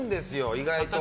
意外と。